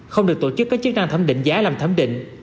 không được tổ chức có chức năng thẩm định giá làm thẩm định